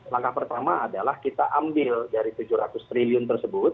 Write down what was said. langkah pertama adalah kita ambil dari tujuh ratus triliun tersebut